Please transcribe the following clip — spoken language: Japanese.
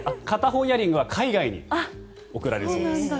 片方イヤリングは海外に送られるそうです。